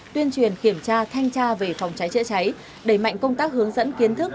tuyên truyền kiểm tra thanh tra về phòng cháy chữa cháy đẩy mạnh công tác hướng dẫn kiến thức